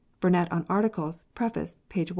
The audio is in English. Burnet on Articles, pref ., p. 1 .